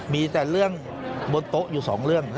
มีแต่เรื่องบนโต๊ะอยู่สองเรื่อง